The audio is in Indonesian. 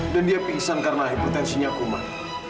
dan dia pingsan karena hipertensinya kuman